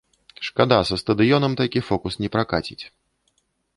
Шкада, са стадыёнам такі фокус не пракаціць.